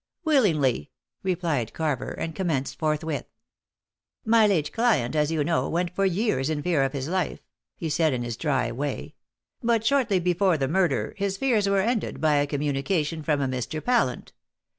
"Willingly," replied Carver, and commenced forthwith. "My late client, as you know, went for years in fear of his life," he said in his dry way; "but shortly before the murder his fears were ended by a communication from a Mr. Pallant.